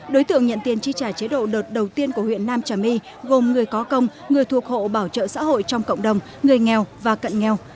đối tượng nhận tiền chi trả chế độ đợt đầu tiên của huyện nam trà my gồm người có công người thuộc hộ bảo trợ xã hội trong cộng đồng người nghèo và cận nghèo